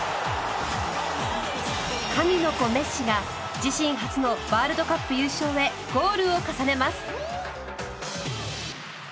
神の子メッシが自身初のワールドカップ優勝へゴールを重ねます。